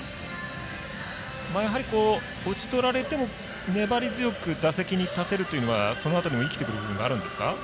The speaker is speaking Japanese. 打ち取られても、粘り強く打席に立てるというのはそのあとにも生きてくる部分があるんですか？